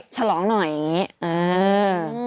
ฉลองหน่อยอย่างนี้